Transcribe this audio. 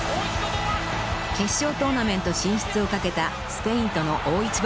［決勝トーナメント進出を懸けたスペインとの大一番］